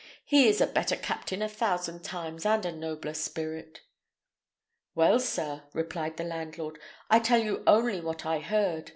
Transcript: "He is a better captain a thousand times, and a nobler spirit." "Well, sir," answered the landlord, "I tell you only what I heard.